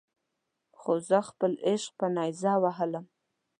خو زه خپل عشق په نیزه ووهلم.